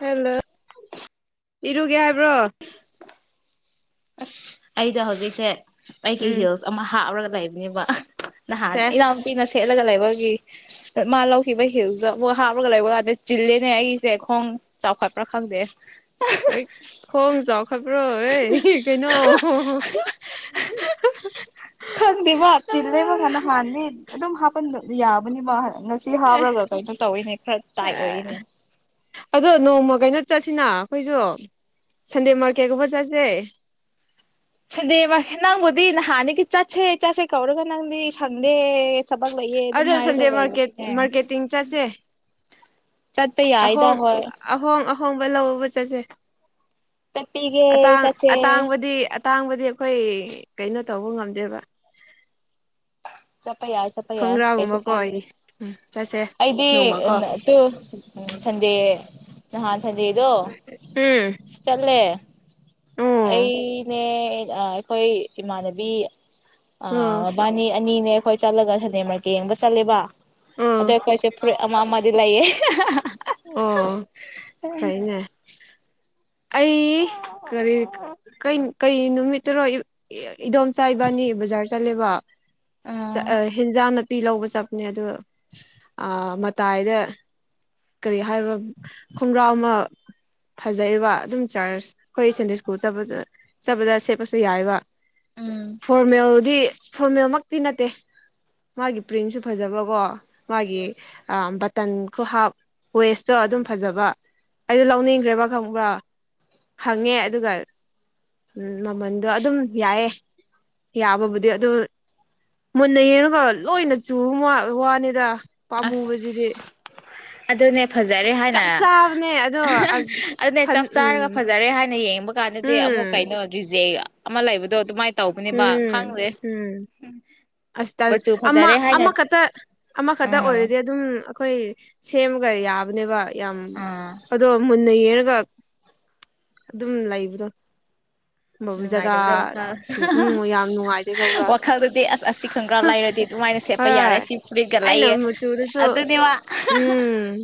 hello ꯏꯔꯨꯒꯦ ꯍꯥꯏꯕ꯭ꯔꯣ ꯑꯁ ꯑꯩꯗꯣ ꯍꯧꯖꯤꯛꯁꯦ ꯑꯩꯒꯤ ꯎꯝ ꯍꯤꯜꯁ ꯑꯃ ꯍꯥꯞꯔꯒ ꯂꯩꯕꯅꯦꯕ ꯅꯍꯥꯟ ꯁꯦꯁ ꯏꯅꯥꯎꯄꯤꯅ ꯁꯦꯠꯂꯒ ꯂꯩꯕꯒꯤ ꯃꯥ ꯂꯧꯈꯤꯕ ꯍꯤꯜꯗ ꯃꯣꯏ ꯍꯥꯞꯄꯒ ꯂꯩꯕ ꯀꯥꯟꯗ ꯆꯤꯜꯂꯦꯅꯦ ꯑꯩꯁꯦ ꯈꯣꯡ ꯆꯥꯎꯈꯠꯄ꯭ꯔꯥ ꯈꯪꯗꯦ ꯍꯣꯏ ꯈꯣꯡ ꯆꯥꯎꯈꯕ꯭ꯔꯣ ꯑꯦ ꯀꯩꯅꯣ [inaudible] ꯈꯪꯗꯦꯕ ꯆꯤꯂꯦꯕ ꯍꯅ ꯍꯥꯟꯗꯤ ꯑꯗꯨꯝ ꯍꯥꯞꯄꯟ ꯌꯥꯕꯅꯤꯕ ꯉꯁꯤ ꯁꯤ ꯍꯥꯞꯄ꯭ꯔꯒ ꯇꯧꯩꯅꯣ ꯇꯧꯋꯤꯅꯦ ꯈꯔ ꯇꯥꯏꯠ ꯑꯣꯏꯔꯤꯅꯦ ꯑꯗꯣ ꯅꯣꯡꯃ ꯀꯩꯅꯣ ꯆꯠꯁꯤꯅ ꯑꯩꯈꯣꯏꯁꯨ ꯁꯟꯗꯦ ꯃꯥꯔꯀꯦꯠꯀꯨꯝꯕ ꯆꯠꯁꯦ ꯆꯗꯦꯕ ꯅꯪꯕꯣꯗꯤ ꯅ ꯍꯅꯤꯒꯤ ꯆꯁꯦ ꯆꯁꯦ ꯀꯧꯔꯒ ꯅꯪꯗꯤ ꯁꯪꯗꯦ ꯊꯕꯛ ꯂꯩꯌꯦ ꯑꯗꯨꯝ ꯑꯗꯣ ꯍꯥꯏꯔꯒ ꯁꯟꯗꯦ ꯃꯥꯔꯀꯦꯠ ꯂꯩꯕꯅꯤꯅꯦ ꯃꯥꯔꯀꯦꯇꯤꯡ ꯆꯠꯁꯦ ꯆꯠꯄ ꯌꯥꯏꯗ ꯑꯍꯣꯡ ꯍꯣꯏ ꯑꯍꯣꯡ ꯑꯍꯣꯡꯕ ꯂꯕ ꯆꯠꯁꯦ ꯆꯠꯄꯤꯒꯦ ꯑꯇꯥꯡ ꯆꯠꯁꯦ ꯑꯇꯥꯡꯕꯗꯤ ꯇꯥꯡꯕꯗꯤ ꯑꯩꯈꯣꯏ ꯀꯩꯅꯣ ꯇꯧꯕ ꯉꯝꯗꯦꯕ ꯆꯠꯄ ꯌꯥꯏ ꯆꯄ ꯄ ꯀꯩꯁꯨ ꯇꯦ ꯈꯣꯡꯒ꯭ꯔꯥꯒꯨꯝꯕꯀꯣ ꯑꯩ ꯎꯝ ꯆꯠꯁꯦ ꯑꯩꯗꯤ ꯅꯣꯡꯃꯀꯣ ꯅꯠꯇꯨ ꯎꯝ ꯁꯟꯗꯦ ꯅꯍꯥꯟ ꯁꯟꯗꯦꯗꯣ ꯆꯠꯂꯦ ꯎꯝ ꯑꯩꯅꯦ ꯑꯩꯈꯣꯏ ꯏꯃꯥꯟꯅꯕꯤ ꯑꯣ ꯑ ꯃꯕꯥꯅꯤ ꯑꯅꯤꯅꯦ ꯑꯩꯈꯣꯏ ꯆꯠꯂꯒ ꯁꯅꯦꯝꯃꯔꯀ ꯌꯦꯡꯕ ꯆꯠꯂꯦꯕ ꯑ ꯑ ꯑꯗ ꯑꯩꯈꯣꯏꯁꯦ ꯐꯨꯔꯤꯠ ꯑꯃ ꯑꯃꯗꯤ ꯂꯩꯌꯦ ꯀꯅ ꯑꯩ ꯀꯔꯤ ꯀꯩ ꯅꯨꯃꯤꯠꯇꯔꯣ ꯏꯗꯣꯝꯆꯥ ꯏꯕꯥꯅꯤ ꯕꯖꯥꯔ ꯆꯠꯂꯦꯕ ꯑ ꯍꯦꯟꯖꯥꯡ ꯄꯤ ꯂꯧꯕ ꯆꯠꯄꯅꯦ ꯑꯗ ꯃꯇꯥꯏꯗ ꯀꯔꯤ ꯍꯥꯏꯕ ꯈꯣꯡꯒ꯭ꯔꯥꯎ ꯑꯃ ꯐꯖꯩꯕ ꯑꯗꯨꯝ ꯆꯔꯁ ꯈꯣꯏ ꯁꯦꯟꯗꯦ ꯁ꯭ꯀꯨꯜ ꯆꯠꯄ ꯆꯠꯄꯗ ꯁꯦꯠꯄꯁꯨ ꯌꯥꯏꯕ ꯎꯝ ꯐꯣꯔꯃꯦꯜꯗꯤ ꯐꯣꯔꯃꯦꯜ ꯃꯛꯇꯤ ꯅꯠꯇꯦ ꯃꯥꯒꯤ ꯄ꯭ꯔꯤꯟꯁꯨ ꯐꯖꯕꯀꯣ ꯃꯥꯒꯤ ꯕꯇꯟꯈꯨꯨ ꯍꯥꯞ ꯋꯦꯁꯇꯣ ꯑꯗꯨꯝ ꯐꯖꯕ ꯑꯩꯗꯣ ꯂꯧꯅꯤꯡꯈ꯭ꯔꯦꯕ ꯈꯪꯕ꯭ꯔꯥ ꯍꯪꯉꯦ ꯑꯗꯨꯒ ꯎꯝ ꯃꯃꯟꯗꯣ ꯑꯗꯨꯝ ꯌꯥꯏꯌꯦꯦ ꯌꯥꯕꯕꯨꯗꯤ ꯑꯗꯨꯝ ꯃꯨꯟꯅ ꯌꯦꯡꯉꯒ ꯂꯣꯏꯅ ꯆꯨꯕ ꯋꯥꯅꯤꯗ ꯄꯥꯝꯃꯨꯕꯁꯤꯗꯤ ꯑꯁ ꯑꯗꯨꯅꯦ ꯐꯖꯔꯦ ꯍꯥꯏ ꯆꯞ ꯆꯥꯕꯅꯦ ꯑꯗꯣ ꯑꯁ ꯑꯗꯨꯅꯦ ꯐꯟ ꯆꯞ ꯆꯥꯔꯒ ꯎꯝ ꯐꯖꯔꯦ ꯍꯥꯏꯅ ꯌꯦꯡꯕ ꯀꯥꯟꯗꯗꯤ ꯑꯃꯨꯛ ꯎꯝ ꯀꯩꯅꯣ ꯔꯤꯖꯦꯛ ꯑꯃ ꯂꯩꯕꯗꯣ ꯑꯗꯨꯃꯥꯏ ꯎꯝ ꯎꯝ ꯑꯁ ꯇꯜ ꯃꯆꯨ ꯑꯃ ꯐꯖꯔꯦ ꯍꯥꯏꯅ ꯑꯃ ꯈꯇ ꯑꯃꯈꯛꯇ ꯑꯥ ꯑꯣꯏꯔꯗꯤ ꯑꯗꯨꯝ ꯑꯩꯈꯣꯏ ꯁꯦꯝꯃꯒ ꯌꯥꯕꯅꯦꯕ ꯌꯥꯝ ꯑꯥ ꯑꯗꯣ ꯃꯨꯟꯅ ꯌꯦꯡꯔꯒ ꯑꯗꯨꯝ ꯂꯩꯕꯗꯣ ꯖꯒꯥ ꯅꯨꯡꯉꯥꯏꯗꯕꯗ ꯋꯥꯈꯜ ꯁꯨ ꯎꯝ ꯌꯥꯝ ꯅꯨꯡꯉꯥꯏꯇꯦ ꯈꯪꯕ꯭ꯔꯥ ꯋꯥꯈꯜꯗꯨꯗꯤ ꯑꯁ ꯑꯁꯤ ꯈꯪꯕ꯭ꯔꯥ ꯂꯩꯔꯗꯤ ꯑꯗꯨꯃꯥꯏꯅ ꯁꯦꯠꯄ ꯌꯥꯔꯦ ꯍꯣꯏ ꯁꯤ ꯐꯨꯔꯤꯠꯒ ꯑꯩꯅ ꯂꯩꯑꯦ ꯃꯆꯨꯗꯨꯁꯨ ꯑꯗꯨꯗꯤ ꯃꯥ ꯎꯝ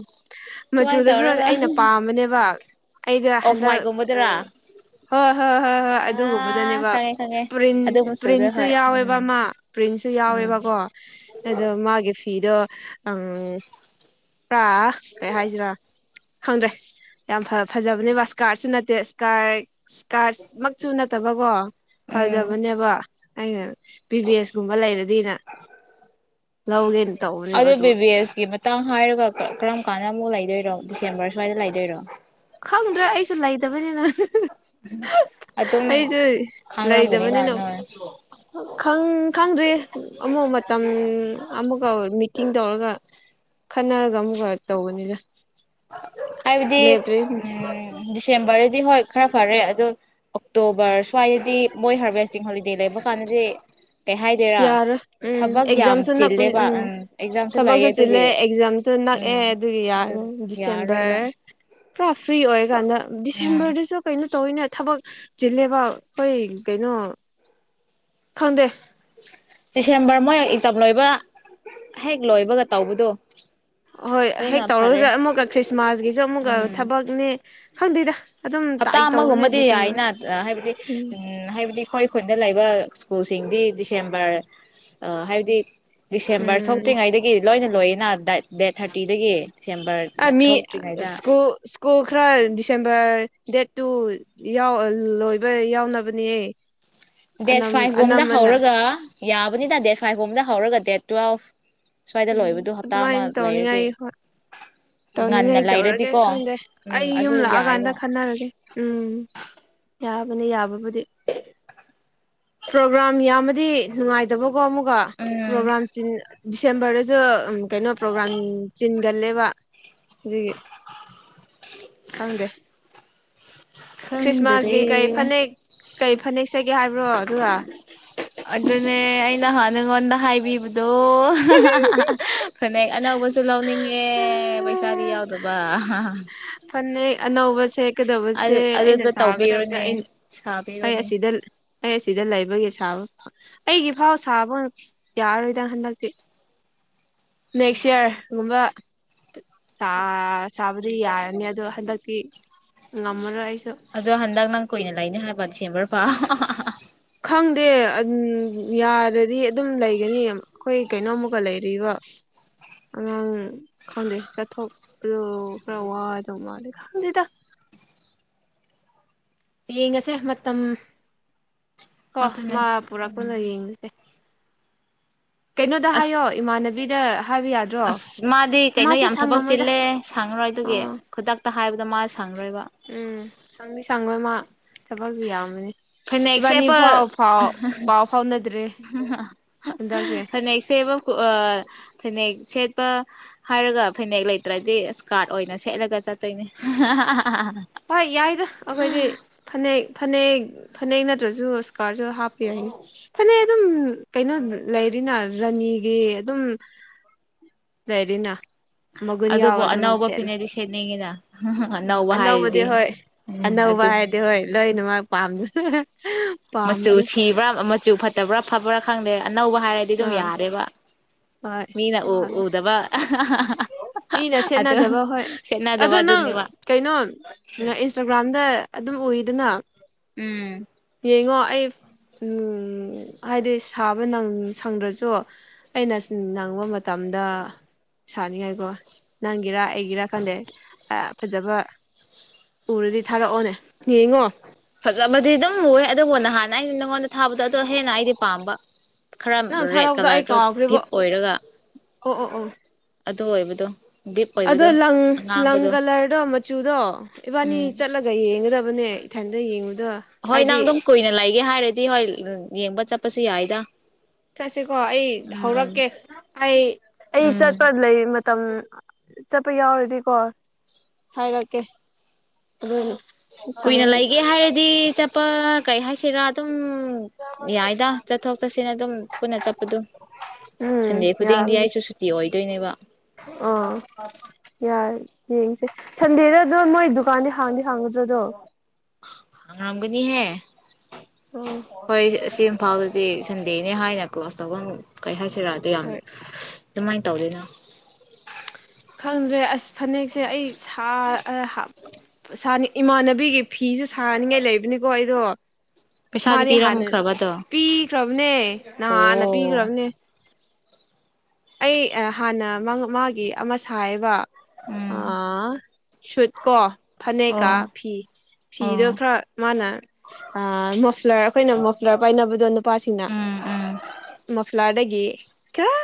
ꯃꯆꯨꯗꯁꯨ ꯇꯧꯔꯒ ꯑꯩꯅ ꯄꯥꯝꯕꯅꯦꯕ ꯑꯩꯗ ꯑꯣꯐ ꯍꯟꯗꯛ ꯋꯥꯏꯠꯒꯨꯝꯕꯗꯨꯔꯥ ꯍꯣꯏ ꯍꯣꯏ ꯍꯣꯏ ꯍꯣꯏ ꯑꯥ ꯑꯗꯨꯒꯨꯝꯕꯗꯅꯦꯕ ꯈꯪꯉꯦ ꯈꯪꯉꯦ ꯄ꯭ꯔꯤꯟ ꯑꯗꯨ ꯃꯆꯨꯗꯣ ꯄ꯭ꯔꯤꯟꯁꯨ ꯍꯣꯏ ꯌꯥꯎꯋꯦꯕ ꯎꯝ ꯄ꯭ꯔꯤꯟꯁꯨ ꯎꯝ ꯌꯥꯎꯋꯦꯕꯀꯣ ꯑꯗꯣ ꯃꯥꯒꯤ ꯐꯤꯗꯣ ꯑꯪ ꯄ꯭ꯔꯥ ꯀꯩ ꯍꯥꯏꯖꯤꯔ ꯈꯪꯗ꯭ꯔꯦ ꯌꯥꯝ ꯐ ꯐꯖꯕꯅꯦꯕ ꯏꯁꯀꯥꯔꯠꯁꯨ ꯅꯠꯇꯦ ꯏꯁꯀꯥꯔ ꯏꯁꯀꯥꯔꯠ ꯃꯛꯁꯨꯨ ꯅꯠꯇꯕꯀꯣ ꯎꯝ ꯐꯖꯕꯅꯦꯕ ꯑꯩꯅ ꯄꯤ ꯕꯤ ꯑꯦꯁ ꯀꯨꯝꯕ ꯂꯩꯔꯗꯤꯅ ꯂꯧꯒꯦꯅ ꯇꯧꯕꯅꯦꯕ ꯑꯗꯨ ꯄꯦꯁꯀꯤ ꯃꯇꯥꯡ ꯍꯥꯏꯔꯒ ꯀꯔꯝ ꯀꯥꯟꯗ ꯑꯃꯨꯛ ꯂꯩꯗꯣꯏꯔꯣ ꯗꯤꯁꯦꯝꯕꯔ ꯁ꯭ꯋꯥꯏꯗ ꯂꯩꯗꯣꯏꯔꯣ ꯈꯪꯗ꯭ꯔꯦ ꯑꯩꯁꯨ ꯂꯩꯇꯕꯅꯤꯅ ꯑꯗꯨꯝ [unintelligible] ꯑꯩꯖꯨ ꯈꯥꯡꯔꯝꯒꯅꯤꯅ ꯂꯩꯗꯕꯅꯤꯅ ꯅꯣꯏ ꯈꯪ ꯈꯪꯗ꯭ꯔꯤ ꯑꯃꯨꯛ ꯃꯇꯝ ꯑꯃꯒ ꯃꯤꯇꯤꯡ ꯇꯧꯔꯒ ꯈꯟꯅꯔꯒ ꯑꯃꯨꯛꯒ ꯇꯧꯕꯅꯤꯗ ꯍꯥꯏꯕꯗꯤ ꯂꯦꯞꯇ꯭ꯔꯤ ꯎꯝ ꯗꯤꯁꯦꯝꯕꯔꯗꯗꯤ ꯍꯣꯏ ꯈꯔ ꯐꯔꯦ ꯑꯗꯣ ꯑꯣꯛꯇꯣꯕꯔ ꯁ꯭ꯋꯥꯏꯗꯗꯤ ꯃꯣꯏ ꯍꯥꯔꯚꯦꯁꯇꯤꯡ ꯍꯣꯂꯤꯗꯦ ꯂꯩꯕ ꯀꯥꯟꯗꯗꯤ ꯀꯩ ꯍꯥꯏꯗꯣꯏꯔꯥ ꯌꯥꯔ ꯎꯝ ꯊꯕꯛ ꯌꯥꯝ ꯑꯦꯛꯖꯥꯝꯁꯨ ꯅꯛꯄ ꯆꯤꯜꯂꯦꯕ ꯎꯝ ꯑꯦꯛꯖꯥꯝꯁꯨ ꯂꯩꯌꯦ ꯊꯕꯛꯁꯨ ꯆꯤꯜꯂꯦ ꯑꯗꯨꯒꯤ ꯑꯦꯛꯖꯝꯁ ꯑꯗꯨ ꯅꯛꯑꯦ ꯎꯝ ꯑꯗꯨꯒꯤ ꯑꯗꯨ ꯌꯥꯔꯣꯏ ꯌꯥꯔꯔꯣꯏꯕ ꯗꯤꯁꯦꯝꯕꯔ ꯄꯨꯔꯥ ꯐ꯭ꯔꯤ ꯑꯣꯏꯀꯥꯟꯗ ꯎꯝ ꯗꯤꯁꯦꯝꯕꯔꯗꯨ ꯁꯤꯁꯨ ꯀꯩꯅꯣ ꯇꯧꯋꯤꯅꯦ ꯊꯕꯛ ꯆꯤꯜꯂꯦꯕ ꯑꯩꯈꯣꯏ ꯀꯩꯅꯣ ꯈꯪꯗꯦ ꯗꯤꯁꯦꯝꯕꯔ ꯃꯣꯏ ꯑꯦꯛꯖꯥꯝ ꯂꯣꯏꯕ ꯍꯦꯛ ꯂꯣꯏꯕꯒ ꯇꯧꯕꯗꯣ ꯍꯣꯏ ꯍꯦꯛ ꯑꯗꯨꯅ ꯐꯔꯦ ꯇꯧꯔꯒꯁꯨ ꯑꯃꯨꯛꯀ ꯈ꯭ꯔꯤꯁꯃꯥꯁꯀꯤꯁꯨ ꯑꯃꯨꯛꯀ ꯎꯝ ꯊꯕꯛꯅꯦ ꯈꯪꯗꯦꯗ ꯑꯗꯨꯝ ꯍꯞꯇꯥ ꯇꯥꯏꯠ ꯇꯧꯕꯅꯦ ꯑꯃꯒꯨꯝꯕꯗꯤ ꯗꯤꯁꯦꯝꯕꯔ ꯌꯥꯏꯅ ꯍꯥꯏꯕꯗꯤ ꯎꯝ ꯍꯥꯏꯕꯗꯤ ꯑꯩꯈꯣꯏ ꯈꯨꯟꯗ ꯂꯩꯕ ꯁ꯭ꯀꯨꯜꯁꯤꯡꯗꯤ ꯗꯤꯁꯦꯝꯕꯔ ꯑ ꯍꯥꯏꯕꯗꯤ ꯗꯤꯁꯦꯝꯕꯔ ꯎꯝ ꯊꯣꯛꯇ꯭ꯔꯤꯉꯩꯗꯒꯤ ꯂꯣꯏꯅ ꯂꯣꯏꯌꯦꯅ ꯗꯥꯏꯠ ꯗꯦꯠ ꯊꯥꯔꯇꯤꯗꯒꯤ ꯑ ꯗꯤꯁꯦꯝꯕꯔ ꯃꯤ ꯊꯣꯛꯇ꯭ꯔꯤꯉꯩꯗ ꯁ꯭ꯀꯨꯜ ꯁ꯭ꯀꯨꯜ ꯈꯔ ꯗꯤꯁꯦꯝꯕꯔ ꯗꯦꯠ ꯇꯨ ꯌꯥꯎ ꯂꯣꯏꯕ ꯌꯥꯎꯅꯕꯅꯦ ꯗꯦꯠ ꯑꯅꯝ ꯐꯥꯏꯚ ꯒꯨꯝꯗ ꯑꯅꯝꯕꯅ ꯍꯧꯔꯒ ꯌꯥꯕꯅꯤꯗ ꯗꯦꯠ ꯐꯥꯏꯚ ꯒꯨꯝꯗ ꯍꯧꯔꯒ ꯗꯦꯠ ꯇꯨꯋꯦꯜꯐ ꯁ꯭ꯋꯥꯏꯗ ꯎꯝ ꯂꯣꯏꯕꯗꯣ ꯍꯞꯇꯥ ꯑꯗꯨꯃꯥꯏ ꯑꯃ ꯏꯟ ꯂꯩꯔꯗꯤ ꯇꯅꯤꯉꯥꯏ ꯍꯣꯏ ꯉꯟꯅ ꯇꯧꯅꯤꯡꯉꯩ ꯇꯧꯔꯒꯦ ꯂꯩꯔꯗꯤꯀꯣ ꯈꯪꯗꯦ ꯎꯝ ꯑꯩ ꯑꯗꯨ ꯌꯨꯝ ꯂꯥꯛꯑꯀꯥꯟꯗ ꯌꯥꯏꯕ ꯈꯟꯅꯔꯒꯦ ꯎꯝ ꯌꯥꯕꯅꯦ ꯌꯥꯕꯕꯨꯗꯤ ꯄ꯭ꯔꯣꯒ꯭ꯔꯥꯝ ꯌꯥꯝꯃꯗꯤ ꯅꯨꯡꯉꯥꯏꯇꯕꯀꯣ ꯑꯃꯨꯛꯒ ꯎꯝ ꯄ꯭ꯔꯣꯒ꯭ꯔꯥꯝ ꯆꯤꯟ ꯗꯤꯁꯦꯝꯕꯔꯗꯁꯨ ꯀꯩꯅꯣ ꯄ꯭ꯔꯣꯒ꯭ꯔꯥꯝ ꯆꯤꯟꯒꯜꯂꯦꯕ ꯑꯗꯨꯒꯤ ꯈꯪꯗꯦ ꯈꯪꯗꯔꯦ ꯈ꯭ꯔꯤꯁꯃꯥꯁꯀꯤ ꯀꯩ ꯐꯅꯦꯛ ꯀꯩ ꯐꯅꯦꯛ ꯁꯦꯠꯀꯦ ꯍꯥꯏꯕ꯭ꯔꯣ ꯑꯗꯨꯒ ꯑꯗꯨꯅꯦ ꯑꯩꯅ ꯍꯥꯟꯅ ꯅꯉꯣꯟꯗ ꯍꯥꯏꯕꯤꯕꯗꯣ [inaudible] ꯐꯅꯦꯛ ꯑꯅꯧꯕꯁꯨ ꯂꯧꯅꯤꯡꯉꯦ ꯄꯩꯁꯥꯗꯤ ꯌꯥꯎꯗꯕ ꯐꯅꯦꯛ ꯑꯅꯧꯕꯁꯦ ꯑꯗꯨ ꯆꯠꯀꯗꯕꯁꯦ ꯑꯩꯅ ꯑꯗꯨꯗꯣ ꯁꯥꯒꯗꯕꯁꯦ ꯇꯧꯕꯤꯔꯣꯅꯦ ꯑꯩꯅ ꯑꯩ ꯁꯥꯕꯤꯔꯣꯅꯦ ꯑꯁꯤꯗ ꯑꯩ ꯑꯁꯤꯗ ꯂꯩꯕꯒꯤ ꯁꯥꯕ ꯑꯩꯒꯤ ꯐꯥꯎ ꯁꯥꯕ ꯌꯥꯔꯣꯏꯗꯪ ꯍꯟꯗꯛꯇꯤ ꯅꯦꯛꯁ ꯏꯌꯥꯔ ꯨꯝꯕ ꯁꯥꯕꯗꯤ ꯌꯥꯔꯅꯤ ꯑꯗꯣ ꯍꯟꯗꯛꯇꯤ ꯉꯝꯃꯔꯣꯏ ꯑꯩꯁꯨ ꯑꯗꯣ ꯍꯟꯗꯛ ꯅꯪ ꯀꯨꯏꯅ ꯂꯩꯅꯤ ꯍꯥꯏꯕ ꯁꯦꯝꯕꯔ ꯄꯥ ꯈꯪꯗꯦ ꯌꯥꯔꯗꯤ ꯑꯗꯨꯝ ꯂꯩꯒꯅꯤ ꯑꯩꯈꯣꯏ ꯀꯩꯅꯣꯝꯃꯨꯛꯀ ꯂꯩꯔꯤꯕꯔꯤꯕ ꯑꯉꯥꯡ ꯈꯪꯗꯦ ꯆꯠꯊꯣꯛꯄꯗ ꯈꯔ ꯋꯥꯗꯧ ꯃꯥꯜꯂꯦ ꯈꯪꯗꯦꯗ ꯌꯦꯡꯉꯁꯦ ꯃꯇꯝ ꯀꯣ ꯑꯗꯨꯅꯦ ꯃꯥ ꯄꯨꯔꯛꯀꯅ ꯌꯦꯡꯉꯁꯦ ꯀꯩꯅꯣꯗ ꯑꯁ ꯍꯥꯏꯌꯣ ꯏꯃꯥꯟꯅꯕꯤꯗ ꯍꯥꯏꯕ ꯌꯥꯗ ꯑꯁ ꯃꯥꯗꯤ ꯀꯩꯅꯣ ꯌꯥꯝ ꯊꯕꯛ ꯆꯤꯜꯂꯦ ꯁꯡꯉꯔꯣꯏ ꯑꯗꯨꯒꯤ ꯑꯥ ꯈꯨꯗꯛꯇ ꯍꯥꯏꯕꯗ ꯃꯥ ꯁꯡꯉꯔꯣꯏꯕ ꯎꯝ ꯁꯪꯗꯤ ꯁꯪꯉꯣꯏ ꯃꯥ ꯊꯕꯛꯁꯨ ꯌꯥꯝꯃꯅꯤ ꯐꯅꯦꯛ ꯁꯦꯠꯄꯥ ꯄꯥꯎ ꯐꯥꯎꯅꯗ꯭ꯔꯤ ꯍꯟꯗꯛꯁꯦ [unintelligible] ꯐꯅꯦꯛ ꯁꯦꯕ ꯑ ꯐꯅꯦꯛ ꯁꯦꯠꯄ ꯍꯥꯏꯔꯒ ꯐꯅꯦꯛ ꯂꯩꯇ꯭ꯔꯗꯤ ꯏꯁꯀꯥꯔꯠ ꯑꯣꯏꯅ ꯁꯦꯠꯂꯒ ꯆꯠꯇꯣꯏꯅꯦ [unintelligible] ꯍꯣꯏ ꯌꯥꯏꯗ ꯑꯩꯈꯣꯏꯗꯤ ꯐꯅꯦꯛ ꯐꯅꯦꯛ ꯐꯅꯦꯛ ꯅꯠꯇ꯭ꯔꯁꯨ ꯏꯁꯀꯥꯔꯠꯁꯨ ꯍꯥꯞꯄꯤꯌꯨ ꯌꯥꯏ ꯐꯅꯦꯛ ꯑꯗꯨꯝ ꯀꯩꯅꯣ ꯂꯩꯔꯤꯅ ꯔꯥꯅꯤꯒꯤ ꯑꯗꯨꯝ ꯗꯗꯥꯏꯔꯤꯅ [unintelligible] ꯑꯗꯨꯕꯨ ꯑꯅꯧꯕ ꯐꯤꯅꯗꯤ ꯁꯦꯠꯅꯤꯡꯉꯤꯅ ꯑꯅꯧꯕ ꯑꯅꯧꯕꯗꯤ ꯍꯥꯏꯔꯗꯤ ꯍꯣꯏ ꯎꯝ ꯑꯅꯧꯕ ꯍꯥꯏꯗꯤ ꯑꯗꯨꯅꯤ ꯍꯣꯏ ꯂꯣꯏꯅꯃꯛ ꯄꯥꯝꯅ ꯃꯆꯨ ꯁꯤꯕ꯭ꯔꯥ ꯃꯆꯨ ꯐꯠꯇꯕ꯭ꯔꯥ ꯐꯕ꯭ꯔꯥ ꯈꯪꯗꯦ ꯑꯅꯧꯕ ꯍꯥꯏꯔꯗꯤ ꯑꯗꯨꯝ ꯑꯥ ꯌꯥꯔꯦꯕ ꯍꯣꯏ ꯃꯤꯅ ꯎ ꯌꯥꯝꯅꯤ ꯎꯗꯕ ꯃꯤꯅ ꯑꯗꯨ ꯁꯦꯠꯅꯗꯕ ꯍꯣꯏ ꯁꯦꯠꯅꯗꯕ ꯑꯗꯣ ꯅꯪ ꯑꯗꯨꯅꯦꯕ ꯀꯩꯅꯣ ꯏꯟꯁꯇꯥꯒ꯭ꯔꯥꯝꯗ ꯑꯗꯨꯝ ꯎꯏꯗꯅ ꯎꯝ ꯌꯦꯡꯉꯣ ꯑꯩ ꯍꯥꯏꯗꯤ ꯁꯥꯕ ꯁꯪꯗ꯭ꯔꯁꯨ ꯑꯩꯅ ꯅꯪꯕ ꯃꯇꯝꯗ ꯁꯥꯅꯤꯡꯉꯥꯏꯀꯣ ꯅꯪꯒꯤꯔ ꯑꯩꯒꯤꯔꯥ ꯈꯟꯗꯦ ꯐꯖꯕ ꯄꯨꯔꯗꯤ ꯊꯥꯔꯛꯑꯣꯅꯦ ꯌꯦꯡꯉꯣ ꯐꯖꯕꯗꯤ ꯑꯗꯨꯝ ꯑꯣꯏ ꯑꯗꯨꯕꯨ ꯅꯍꯥꯟ ꯑꯩꯅ ꯅꯪꯉꯣꯟꯗ ꯊꯥꯕꯗꯣ ꯑꯗꯣ ꯍꯦꯟꯅ ꯑꯩꯗꯤ ꯄꯥꯝꯕ ꯈꯔ ꯅꯪ ꯔꯦꯠ ꯊꯥꯔꯛꯄꯗꯣ ꯑꯩ ꯀꯂꯔꯗꯣ ꯀꯥꯎꯈ꯭ꯔꯦꯕꯣ ꯗꯤꯞ ꯑꯣꯏꯔꯒ ꯑꯣ ꯑꯣ ꯑꯗꯨ ꯑꯣꯏꯕꯗꯣ ꯗꯤꯞ ꯑꯗꯣ ꯑꯣꯏꯕꯗꯣ ꯂꯪ ꯂꯪ ꯑꯉꯥꯡꯕꯗꯣ ꯀꯂꯔꯗꯣ ꯃꯆꯨꯗꯣ ꯏꯕꯥꯅꯤ ꯎꯝ ꯆꯠꯂꯒ ꯌꯦꯡꯒꯗꯕꯅꯦ ꯏꯊꯟꯇ ꯌꯦꯡꯕꯗꯣ ꯍꯣꯏ ꯅꯪ ꯍꯥꯏꯗꯤ ꯑꯗꯨꯝ ꯀꯨꯏꯅ ꯂꯩꯒꯦ ꯍꯥꯏꯔꯗꯤ ꯍꯣꯏ ꯌꯦꯡꯕ ꯆꯠꯄꯁꯨ ꯌꯥꯏꯗ ꯆꯠꯁꯤꯀꯣ ꯑꯩ ꯎꯝ ꯍꯧꯔꯛꯀꯦ ꯑꯩ ꯑꯩ ꯎꯝ ꯆꯠꯄ ꯂꯩ ꯃꯇꯝ ꯆꯠꯄ ꯌꯥꯎꯔꯗꯤꯀꯣ ꯍꯥꯏꯔꯛꯀꯦ ꯑꯗꯨ ꯀꯨꯏꯅ ꯂꯩꯒꯦ ꯍꯥꯏꯔꯗꯤ ꯆꯠꯄ ꯀꯩ ꯍꯥꯏꯁꯤꯔꯥ ꯑꯗꯨꯝ ꯌꯥꯏꯗ ꯆꯠꯊꯣꯛ ꯆꯠꯁꯤꯟ ꯑꯗꯨꯝ ꯄꯨꯟꯅ ꯆꯠꯄꯗꯨꯝ ꯁꯟꯗꯦ ꯎꯝ ꯈꯨꯗꯤꯡꯗꯤ ꯌꯥꯕꯅꯦ ꯑꯩꯁꯨ ꯁꯨꯇꯤ ꯑꯣꯏꯗꯣꯏꯅꯦꯕ ꯑꯥ ꯌꯥꯏ ꯌꯦꯡꯁꯦ ꯁꯟꯗꯦꯗ ꯑꯗꯨꯣ ꯃꯣꯏ ꯗꯨꯀꯥꯟꯗꯤ ꯍꯥꯡꯗꯤ ꯍꯥꯡꯒꯨꯗ꯭ꯔꯗꯣ ꯑꯔꯝꯒꯅꯤ ꯍ ꯎꯝ ꯏꯝꯐꯥꯜꯗꯗꯤ ꯁꯟꯗꯦꯅꯦ ꯍꯥꯏꯅ ꯀ꯭ꯂꯥꯁ ꯇꯧꯐꯝ ꯀꯩ ꯍꯥꯏꯁꯤꯔꯗ ꯌꯥꯝ ꯍꯣꯏ ꯀꯃꯥꯏꯅ ꯇꯧꯗꯣꯏꯅꯣ ꯈꯪꯗ꯭ꯔꯦ ꯑꯁ ꯐꯅꯦꯛꯁꯦ ꯑꯩ ꯁꯥ ꯍꯥꯞꯄ ꯁꯥ ꯏꯃꯥꯟꯅꯕꯤꯒꯤ ꯐꯤꯁꯨ ꯁꯥꯅꯤꯡꯉꯥꯏ ꯂꯩꯕꯅꯤꯀꯣ ꯑꯩꯗꯣ ꯄꯩꯁꯥꯗꯤ ꯃꯥꯗꯤ ꯍꯥꯟꯅ ꯄꯤꯔꯝꯈ꯭ꯔꯕꯗꯣ ꯄꯤꯈ꯭ꯔꯕꯅꯦ ꯅꯍꯥꯟꯥꯟꯅ ꯑꯣ ꯄꯤꯈ꯭ꯔꯕꯅꯦ ꯑꯩ ꯍꯥꯟꯅ ꯃꯥꯒꯤ ꯑꯃ ꯁꯥ ꯍꯥꯏꯕ ꯑ ꯎꯝ ꯁꯨꯠ ꯀꯣ ꯐꯅꯦꯛꯀꯥ ꯑꯣ ꯐꯤ ꯐꯤꯗꯣ ꯑꯣ ꯈꯔ ꯃꯥꯅ ꯃꯣꯐ꯭ꯂꯔ ꯑꯩꯈꯣꯏꯅ ꯃꯣꯐ꯭ꯂꯔ ꯄꯥꯏꯅꯕꯗꯣ ꯅꯨꯄꯥꯁꯤꯡꯅ ꯎꯝ ꯎꯝ ꯃꯐꯂꯥꯗꯒꯤ ꯈꯔ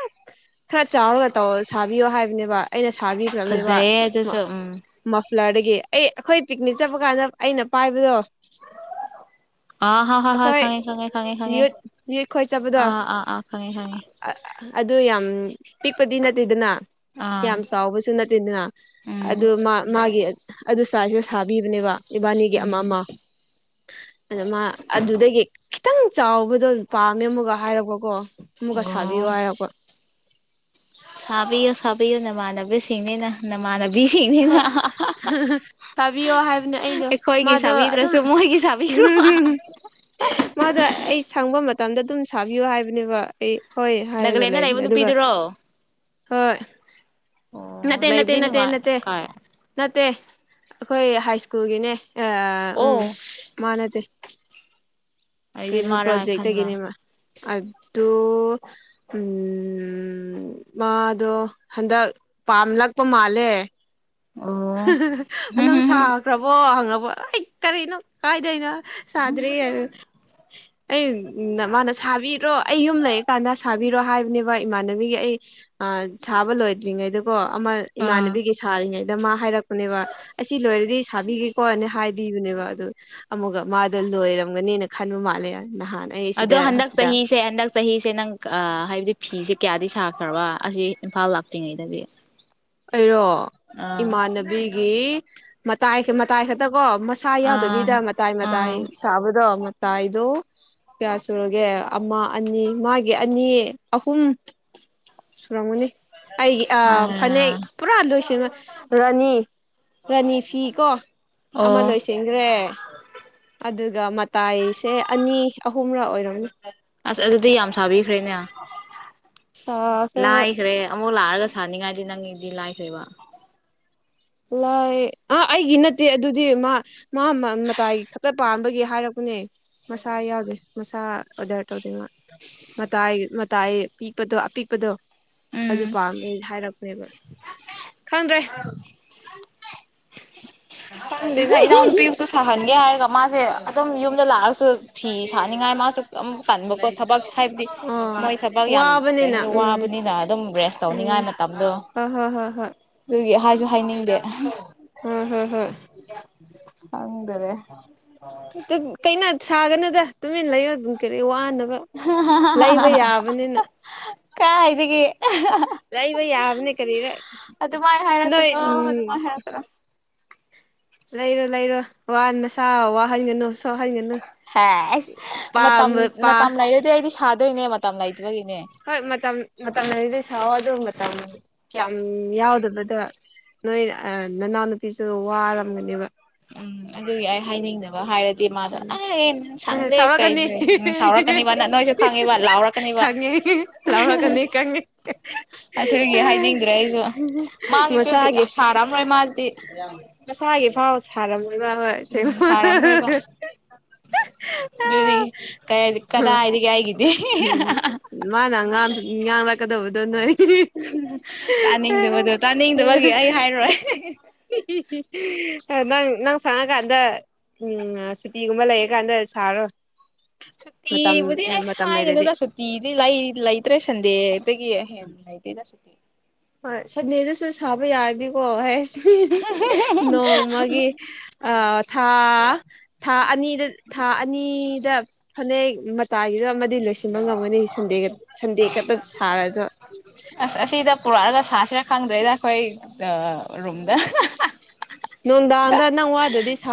ꯈꯔ ꯆꯥꯎꯔꯒ ꯇꯧ ꯁꯥꯕꯤꯌꯣ ꯍꯥꯏꯕꯅꯦꯕ ꯑꯩꯅ ꯁꯥꯕꯤꯈ꯭ꯔꯕꯅꯦꯕ ꯐꯖꯩꯌꯦ ꯑꯗꯨꯁꯨ ꯎꯝ ꯃꯥꯐꯂꯥꯔꯗꯒꯤ ꯑꯩ ꯑꯩꯈꯣꯏ ꯄꯤꯛꯅꯤꯛ ꯆꯠꯄ ꯀꯥꯟꯗ ꯑꯩꯅ ꯄꯥꯏꯕꯗꯣ ꯑꯥ ꯍꯣꯏ ꯍꯣꯏ ꯍꯣꯏ ꯑꯩꯈꯣꯏ ꯈꯪꯉꯦ ꯈꯪꯉꯦ ꯈꯪꯉꯦ ꯈꯪꯉꯦ ꯌꯠ ꯌꯏ ꯈꯣꯏ ꯆꯠꯄꯗꯣ ꯑꯥ ꯑꯥ ꯑꯥ ꯈꯪꯉꯦ ꯈꯪꯉꯦ ꯑꯗꯨ ꯌꯥꯝ ꯄꯤꯛꯄꯗꯤ ꯅꯠꯇꯦꯗꯅ ꯑꯥ ꯌꯥꯝ ꯆꯥꯎꯕꯁꯨ ꯅꯠꯇꯦꯗꯅ ꯎꯝ ꯑꯗꯨ ꯃꯥ ꯃꯥꯒꯤ ꯑꯗꯨ ꯆꯁꯦ ꯁꯥꯕꯤꯕꯅꯦꯕ ꯏꯕꯥꯅꯤꯒꯤ ꯎꯝ ꯑꯃ ꯑꯃ ꯑꯗꯨ ꯃꯥ ꯑꯗꯨꯗꯒꯤ ꯈꯤꯇꯪ ꯆꯥꯎꯕꯗꯣ ꯄꯥꯝꯃꯦ ꯑꯃꯒ ꯍꯥꯏꯔꯛꯄꯀꯣ ꯃꯨ ꯀꯁꯕꯤ ꯑꯣ ꯋꯥꯔꯔꯀꯣ ꯁꯥꯕꯤꯌꯨ ꯁꯥꯕꯤꯌꯨ ꯅꯃꯥꯅꯕꯦ ꯁꯤꯡꯅꯤꯅ ꯍꯣꯏ ꯅꯃꯥꯟꯅꯕꯤꯁꯤꯡꯅꯤꯅ ꯁꯥꯕꯤꯌꯣ ꯍꯥꯏꯕꯅꯦ ꯑꯩꯗꯣ ꯑꯩꯈꯣꯏꯒꯤ ꯃꯥꯗꯣ ꯑꯗꯨꯝ ꯁꯥꯕꯤꯗ꯭ꯔꯁꯨ ꯃꯣꯏꯒꯤ ꯁꯥꯕꯤ ꯕꯤꯔ [unintelligible] ꯃꯥꯗ ꯑꯩ ꯁꯪꯕ ꯃꯇꯝꯗ ꯑꯗꯨꯝ ꯁꯥꯕꯤꯌꯣ ꯍꯥꯏꯕꯅꯦꯕ ꯑꯩ ꯍꯣꯏ ꯍꯥꯏꯔꯒ ꯅꯥꯒꯥꯂꯦꯟꯗ ꯂꯩꯕꯅꯦ ꯂꯩꯕ ꯑꯗꯨꯒ ꯅꯨꯄꯤꯗꯨꯔꯣ ꯍꯣꯏ ꯑꯣ ꯅꯠꯇꯦ ꯅꯠꯇꯦ ꯂꯩꯕꯗꯤ ꯅꯠꯇꯦ ꯅꯨꯡꯉꯥꯏ ꯅꯠꯇꯦ ꯀꯥꯏ ꯅꯠꯇꯦ ꯑꯩꯈꯣꯏ ꯍꯥꯏ ꯁ꯭ꯀꯨꯜꯒꯤꯅꯦ ꯎꯝ ꯑꯣ ꯃꯥ ꯅꯠꯇꯦ ꯑꯩꯗꯤ ꯀꯩꯅꯣ ꯃꯥꯔꯥ ꯍꯥꯏ ꯈꯟꯕ ꯄ꯭ꯔꯣꯖꯦꯛꯠꯒꯤꯦꯅꯦꯃ ꯑꯗꯨꯣ ꯎꯝ ꯃꯥꯗꯣ ꯍꯟꯗꯛ ꯄꯥꯝꯂꯛꯄ ꯃꯥꯜꯂꯦ ꯑꯣ ꯍꯝ ꯅꯪ ꯍꯝ ꯍꯝ ꯁꯥꯈ꯭ꯔꯕꯣ ꯍꯪꯉꯕꯣ ꯑꯩ ꯀꯔꯤ ꯅꯪ ꯀꯥꯏꯗꯩꯅꯣ ꯁꯥꯗ꯭ꯔꯦꯌꯦ ꯑꯩ ꯃꯥꯅ ꯁꯥꯕꯤꯔꯣ ꯑꯩ ꯌꯨꯝ ꯂꯩꯔꯀꯥꯟꯗ ꯁꯥꯕꯤꯔꯣ ꯍꯥꯏꯕꯅꯦꯕ ꯏꯃꯥꯟꯅꯕꯤꯒꯤ ꯑꯩ ꯑ ꯁꯥꯕ ꯂꯣꯏꯗ꯭ꯔꯤꯉꯩꯗꯨꯀꯣ ꯑꯃ ꯑꯥ ꯏꯃꯥꯟꯅꯕꯤꯒꯤ ꯁꯥꯔꯤꯉꯩꯗ ꯃꯥ ꯍꯥꯏꯔꯛꯄꯅꯦꯕ ꯑꯁꯤ ꯂꯣꯏꯔꯗꯤ ꯁꯥꯕꯤꯒꯤ ꯍꯣꯏꯅꯦ ꯍꯥꯏꯕꯤꯕꯅꯦꯕ ꯑꯗꯨ ꯑꯃꯨꯛꯒ ꯃꯥꯗ ꯂꯣꯏꯔꯝꯒꯅꯦꯅ ꯈꯟꯕ ꯃꯥꯜꯂꯦꯔꯦ ꯅꯍꯥꯟꯅ ꯑꯗꯣ ꯍꯟꯗꯛ ꯆꯍꯤꯁꯦ ꯍꯟꯗꯛ ꯆꯍꯤꯁꯦ ꯅꯪ ꯍꯥꯏꯕꯗꯤ ꯐꯤꯁꯦ ꯀꯌꯥꯗꯤ ꯁꯥꯈ꯭ꯔꯕ ꯑꯁꯤ ꯏꯝꯐꯥꯜ ꯂꯥꯛꯇ꯭ꯔꯤꯉꯩꯗꯗꯤ ꯑꯩꯔꯣ ꯑꯥ ꯏꯃꯥꯟꯅꯕꯤꯒꯤ ꯃꯇꯥꯏ ꯃꯇꯥꯏ ꯈꯛꯇ ꯀꯣ ꯁꯥ ꯌꯥꯎꯗꯕꯤꯗ ꯃꯇꯥꯏ ꯃꯇꯥꯏ ꯑꯥ ꯁꯥꯕꯗꯣ ꯃꯇꯥꯏꯗꯣ ꯀꯌꯥ ꯁꯨꯔꯒꯦ ꯑꯃ ꯑꯅꯤ ꯃꯥꯒꯤ ꯑꯅꯤ ꯑꯍꯨꯝ ꯁꯨꯔꯨꯔꯃꯨꯅꯤ ꯑꯩꯒꯤ ꯑ ꯑꯥ ꯐꯅꯦꯛ ꯄꯨꯔꯥ ꯂꯣꯏꯁꯤꯟꯕ ꯔꯥꯅꯤ ꯔꯥꯅꯤ ꯐꯤ ꯀꯣ ꯑꯃ ꯑꯣ ꯂꯣꯏꯁꯤ ꯆꯤꯡꯈ꯭ꯔꯦ ꯑꯗꯨꯒ ꯃꯇꯥꯏꯁꯦ ꯑꯅꯤ ꯑꯍꯨꯝꯔ ꯑꯣꯏꯔꯝꯅꯤ ꯑꯁ ꯑꯗꯨꯗꯤ ꯌꯥꯝ ꯁꯥꯕꯤꯈ꯭ꯔꯦꯅꯦ ꯁꯥꯈ꯭ꯔꯦ ꯍꯣꯏ ꯂꯥꯏꯈ꯭ꯔꯦ ꯑꯃꯨꯛ ꯂꯥꯛꯑꯒ ꯁꯥꯅꯤꯡꯉꯥꯏꯗꯤ ꯅꯪꯒꯤꯗꯤ ꯂꯥꯏꯈ꯭ꯔꯦꯕ ꯂꯩ ꯑ ꯑꯩꯒꯤ ꯅꯠꯇꯦ ꯑꯗꯨꯗꯤ ꯃꯥ ꯃꯥ ꯃꯇꯥꯏꯒꯤ ꯈꯛꯇ ꯄꯥꯝꯕꯒꯤ ꯍꯥꯏꯔꯛꯄꯅꯦ ꯃꯁꯥ ꯌꯥꯎꯗꯦ ꯃꯁꯥ ꯑꯣꯗꯔꯇꯧꯗ ꯃꯥ ꯃꯇꯥꯏ ꯃꯇꯥꯏ ꯑ ꯄꯄꯤꯛꯄꯗꯣ ꯑꯄꯤꯛꯄꯗꯣ ꯑꯗꯨ ꯎꯝ ꯄꯥꯝꯃꯦ ꯍꯥꯏꯔꯛꯄꯅꯦꯕ ꯈꯪꯗ꯭ꯔꯦ [unintelligible] ꯐꯪꯗꯅ ꯏꯅꯥꯎꯅꯨꯄꯤ ꯑꯃꯁꯨ ꯁꯥꯍꯟꯒꯦ ꯍꯥꯏꯔꯒ ꯃꯥꯁꯦ ꯑꯗꯨꯝ ꯌꯨꯝꯗ ꯂꯥꯛꯑꯁꯨ ꯐꯤ ꯁꯥꯅꯤꯡꯉꯥꯏ ꯃꯥꯁꯨ ꯀꯟꯕꯀꯣ ꯊꯕꯛ ꯍꯥꯏꯕꯗꯤ ꯑꯣ ꯃꯣꯏ ꯊꯕꯛ ꯌꯥꯝ ꯀꯔꯤ ꯋꯥꯕꯅꯤꯅ ꯍꯥꯏꯅꯤ ꯋꯥꯕꯅꯤꯅ ꯑꯗꯨꯝ ꯔꯦꯁ ꯇꯧꯅꯤꯡꯉꯥꯏ ꯃꯇꯝꯗꯣ ꯑ ꯍ ꯍ ꯍ ꯑꯗꯨꯒꯤ ꯍꯥꯏꯖ ꯎꯝ ꯍꯝ ꯍꯝ ꯍꯪꯗꯔꯦ ꯀꯩꯅ ꯁꯥꯒꯅꯨꯗ ꯇꯨꯃꯤꯟꯅ ꯂꯩꯌꯣ ꯑꯗꯨꯝ ꯀꯔꯤ ꯋꯥꯅꯕ ꯂꯩꯕ [unintelligible] ꯌꯥꯕꯅꯤꯅ ꯀꯥꯏ ꯍꯥꯏꯒꯦ ꯂꯩꯕ ꯌꯥꯕꯅꯦ ꯀꯔꯤꯔ ꯑꯗꯨꯃꯥꯏꯅ ꯅꯣꯏ ꯍꯥꯏꯔꯛꯄꯅꯣ ꯑꯣ ꯎꯝ ꯍꯦ ꯂꯩꯔꯣ ꯂꯩꯔꯣ ꯋꯥ ꯃꯁꯥ ꯋꯥꯍꯟꯒꯅꯨ ꯁꯣꯛꯍꯟꯒꯅꯨ ꯍ ꯑꯩꯁ ꯃꯇꯝ ꯄꯥꯝꯕ ꯄꯥ ꯃꯇꯝ ꯂꯩꯔꯗꯤ ꯑꯩꯗꯤ ꯁꯥꯗꯣꯏꯅꯦ ꯃꯇꯝ ꯂꯩꯇꯕꯒꯤꯅꯦ ꯍꯣꯏ ꯃꯇꯝ ꯃꯇꯝ ꯃꯔꯤꯗ ꯁꯑꯣ ꯑꯗꯨ ꯃꯇꯝ ꯀꯌꯥꯝ ꯌꯥꯎꯗꯕꯗꯣ ꯅꯣꯏ ꯅꯅꯥꯎꯅꯨꯄꯤꯁꯨ ꯋꯥꯔꯝꯒꯅꯦꯕ ꯎꯝ ꯑꯗꯨꯒꯤ ꯑꯩ ꯍꯥꯏꯅꯤꯡꯗ ꯍꯥꯏꯔꯗꯤ ꯃꯥꯗꯣ ꯑꯩ ꯅ ꯁꯪꯗꯦ ꯀꯩ ꯁꯥꯎꯔꯛꯀꯅꯤ ꯁꯥꯎꯔꯛꯀꯅꯤꯕ ꯅ ꯅꯣꯏꯁꯨ ꯈꯪꯉꯤꯕ ꯂꯥꯎꯔ ꯊꯥꯡꯉꯦ ꯂꯥꯎꯅꯥ ꯀꯅꯤ ꯀꯥꯡꯒꯦ ꯑꯗꯨꯒꯤ ꯍꯥꯏꯅꯤꯡꯗ꯭ꯔꯦ ꯑꯩꯁꯨ ꯃꯥꯒꯤꯁꯨ ꯃꯁꯥꯒꯦ ꯁꯥꯔꯝꯔꯣꯏ ꯃꯥꯗꯤ ꯃꯁꯥꯒꯤ ꯐꯥꯎ ꯁꯥꯔꯝꯕꯅ ꯍꯣꯏ ꯁꯦꯡ ꯎꯝ ꯌꯒꯤ ꯀ ꯀꯗꯥ ꯍꯥꯏꯒ ꯍꯥꯏꯒꯗ ꯃꯥꯅ ꯉꯥꯡꯂꯛꯀꯗꯕꯗꯣ ꯅꯣꯏ ꯇꯥꯅꯤꯡꯗꯕꯗꯣ ꯇꯥꯅꯤꯡꯗꯕꯒꯤ ꯑꯩ ꯍꯥꯏꯔꯣꯏ ꯅꯪ ꯅꯪ ꯁꯪꯉ ꯀꯥꯟꯗ ꯎꯝ ꯁꯨꯇꯤꯒꯨꯝꯕ ꯂꯩꯔꯀꯥꯟꯗ ꯁꯥꯔꯣꯏ ꯁꯨꯇꯤꯕꯨꯘꯤ ꯑꯁ ꯍꯥꯏꯥꯏꯒꯅꯣ ꯂꯩꯔꯗꯤ ꯇ ꯁꯨꯇꯤ ꯗꯤ ꯂꯩ ꯂꯩꯇ꯭ꯔꯦ ꯁꯟꯗꯦꯗꯒꯤ ꯍꯦꯟꯟꯅ ꯂꯩꯇꯦ ꯍꯣꯏ ꯁꯟꯗꯦꯗꯨꯁꯨ ꯁꯥꯕ ꯌꯥꯔꯗꯤꯀꯣ ꯅꯣꯡꯃꯒꯤ ꯑ ꯊꯥ ꯊꯥ ꯑꯅꯤꯗ ꯊꯥ ꯑꯅꯤꯗ ꯐꯅꯦꯛ ꯃꯇꯥꯒꯤꯗ ꯑꯃꯗꯤ ꯂꯣꯏꯁꯤꯟꯕ ꯉꯝꯒꯅꯤ ꯁꯟꯗꯦ ꯁꯟꯗꯦ ꯈꯛꯇ ꯁꯥꯔꯁꯨ ꯑꯁ ꯑꯁꯤꯗ ꯄꯨꯔꯛꯑꯒ ꯁꯥꯁꯤꯔꯥ ꯈꯪꯗ꯭ꯔꯦꯗ ꯑꯩꯈꯣꯏ ꯔꯨꯝꯗ ꯅꯨꯡꯘꯡꯘ ꯅꯪꯋꯘ꯭ꯔꯥꯘꯤ ꯁ